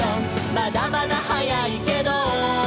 「まだまだ早いけど」